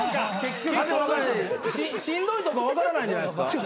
しんどいとか分からないんじゃないですか？